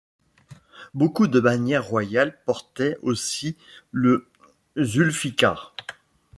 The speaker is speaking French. Beaucoup de bannières royales portaient aussi le Zulfikar.